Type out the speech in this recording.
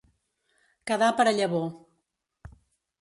Quedar per a llavor.